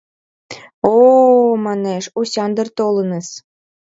— О-о, — манеш, — Осяндр толыныс!